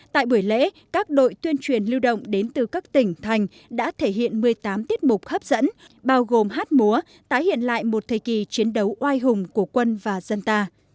tại buổi lễ các đội tuyên truyền lưu động đến từ các tỉnh thành đã thể hiện một mươi tám tiết mục hấp dẫn bao gồm hát múa tái hiện lại một thời kỳ chiến đấu oai hùng của quân và dân ta